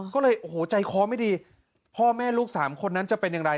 ก็เลยโอ้โหใจคอไม่ดีพ่อแม่ลูกสามคนนั้นจะเป็นอย่างไร